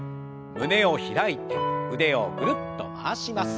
胸を開いて腕をぐるっと回します。